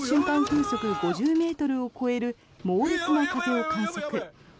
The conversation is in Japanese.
風速５０ｍを超える猛烈な風を観測。